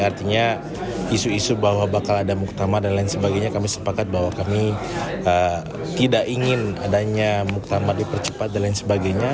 artinya isu isu bahwa bakal ada muktamar dan lain sebagainya kami sepakat bahwa kami tidak ingin adanya muktamar dipercepat dan lain sebagainya